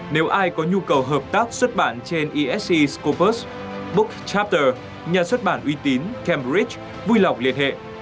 nếu ai có nhu cầu hợp tác xuất bản trên isc scopus book tratter nhà xuất bản uy tín cambridge vui lòng liên hệ